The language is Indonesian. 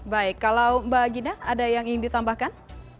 baik kalau mbak gina ada yang ingin ditambahkan